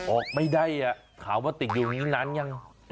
ออกไม่ได้อะข่าวว่าติดอยู่นี้นานยัง